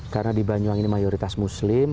karena di banyuwangi ini mayoritas muslim